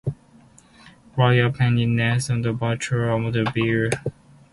Royal penguins nest on beaches or on bare areas on slopes covered with vegetation.